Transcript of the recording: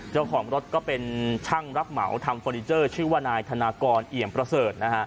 เจ้าของรถก็เป็นช่างรับเหมาทำเฟอร์นิเจอร์ชื่อว่านายธนากรเอี่ยมประเสริฐนะฮะ